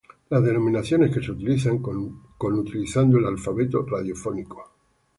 Las denominaciones que se utilizan con utilizando el alfabeto radiofónico.